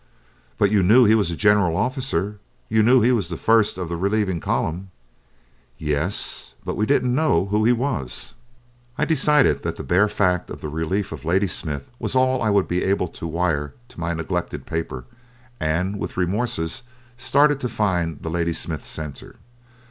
"But you knew he was a general officer, you knew he was the first of the relieving column?" "Ye es, but we didn't know who he was." I decided that the bare fact of the relief of Ladysmith was all I would be able to wire to my neglected paper, and with remorses started to find the Ladysmith censor.